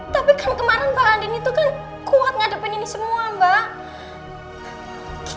tapi kan kemarin pak andin itu kan kuat ngadepin ini semua mbak